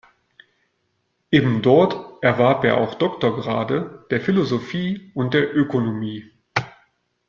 Ebendort erwarb er auch Doktorgrade der Philosophie und der Ökonomie.